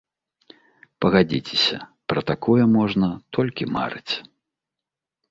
Пагадзіцеся, пра такое можна толькі марыць.